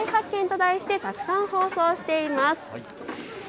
東京再発見と題してたくさん放送しています。